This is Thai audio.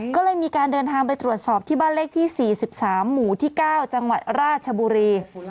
ก็เลยมีการเดินทางไปตรวจสอบที่บ้านเลขที่๔๓หมู่ที่๙จังหวัดราชบุรี